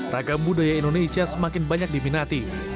ragam budaya indonesia semakin banyak diminati